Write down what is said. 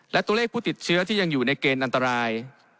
และตัวเลขผู้ติดเชื้อที่ยังอยู่ในเกณฑ์อันตราย